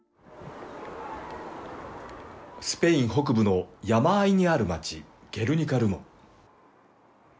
スペイン北部の山あいにある町、ゲルニカ・ルモ。